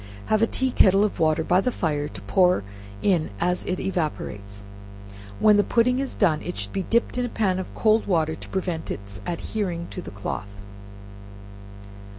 Have a tea kettle of water by the fire to pour in as it evaporates. When the pudding is done, it should be dipped in a pan of cold water, to prevent its adhering to the cloth.